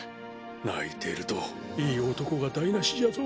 泣いているといい男が台なしじゃぞ。